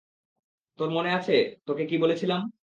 তোর মনে আছে, তোকে কি বলেছিলাম?